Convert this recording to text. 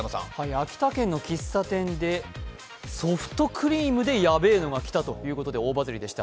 秋田県の喫茶店で、ソフトクリームでやべぇのきたということで、大バズりでした。